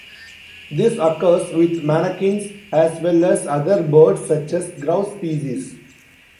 This occurs with manakins, as well as other birds such as grouse species.